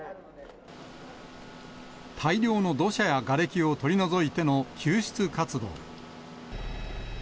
大量の土砂やがれきを取り除いての救出活動。